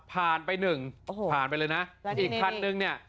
ผ่านไปหนึ่งผ่านไปเลยนะอีกคันหนึ่งเนี่ย